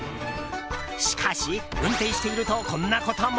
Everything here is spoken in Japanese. しかし、運転しているとこんなことも。